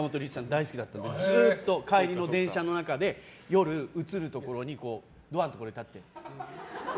大好きだったからずっと帰りの電車の中で夜、映るところにドアのところに立って。